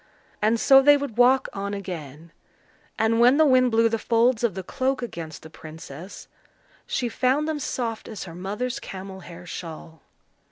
And so they would walk on again; and when the wind blew the folds of the cloak against the princess, she found them soft as her mother's camel hair shawl.